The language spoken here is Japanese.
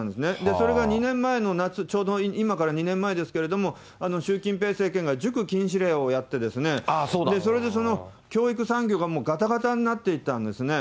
それが２年前の夏、ちょうど今から２年前ですけども、習近平政権が塾禁止令をやって、それで教育産業ががたがたになっていったんですね。